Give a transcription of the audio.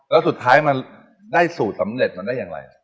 แล้วสุดท้ายมันได้สูตรสำเร็จมาได้อย่างไร